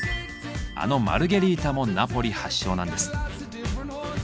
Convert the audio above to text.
あのマルゲリータもナポリ発祥なんです。